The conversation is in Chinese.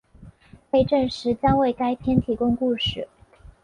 被证实将为该片提供故事。